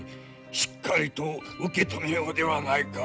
しっかりと受け止めようではないか。